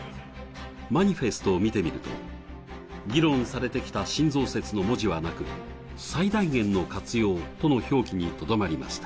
マニフェストを見てみると、議論されてきた新増設の文字はなく最大限の活用との表記にとどまりました。